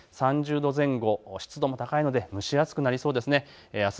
３０度前後、湿度も高いので蒸し暑くなりそうです。